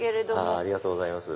ありがとうございます。